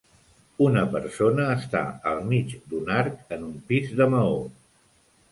Una persona està al mig d'un arc en un pis de Maó.